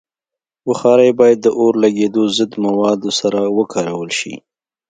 بخاري باید د اورلګیدو ضد موادو سره وکارول شي.